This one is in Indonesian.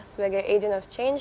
sebagai agent of change